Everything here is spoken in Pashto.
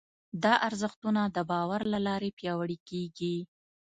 دا ارزښتونه د باور له لارې پياوړي کېږي.